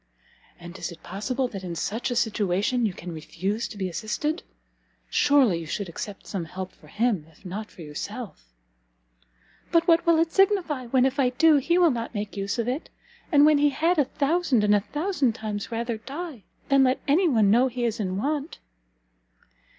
"And is it possible that in such a situation you can refuse to be assisted? Surely you should accept some help for him, if not for yourself." "But what will that signify when, if I do, he will not make use of it? and when he had a thousand and a thousand times rather die, than let any one know he is in want?"